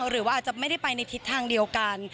หรือว่าอาจจะไม่ได้ไปในทิศทางเดียวกัน